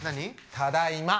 ただいま！